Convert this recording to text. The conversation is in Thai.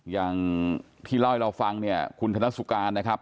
อย่างที่เล่าให้เราฟังเนี่ยคุณธนสุการนะครับ